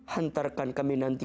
hantarkan kami nanti